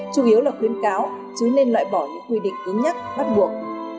chủ yếu là khuyến cáo chứ nên loại bỏ những quy định cứng nhắc bắt buộc